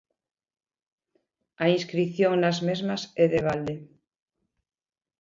A inscrición nas mesmas é de balde.